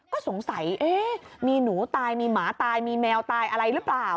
ก็สงสัยมีหนูตายมีหมาตายมีแมวตายอะไรหรือเปล่า